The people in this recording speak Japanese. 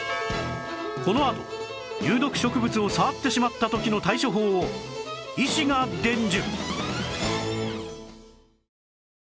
このあと有毒植物を触ってしまった時の対処法を医師が伝授